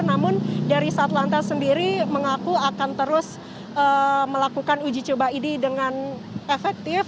namun dari satlantas sendiri mengaku akan terus melakukan uji coba ini dengan efektif